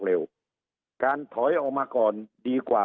สุดท้ายก็ต้านไม่อยู่